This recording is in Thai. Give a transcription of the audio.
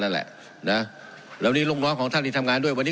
นั่นแหละนะแล้วนี่ลูกน้องของท่านที่ทำงานด้วยวันนี้